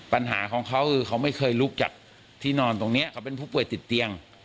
ปัญหาของเขาคือเขาไม่เคยลุกจากที่นอนตรงนี้เขาเป็นผู้ป่วยติดเตียง